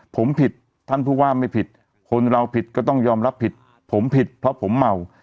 ผมผิดท่านผู้ว่าไม่ผิดคนเราผิดก็ต้องยอมรับผิดผมผิดเพราะผมเมา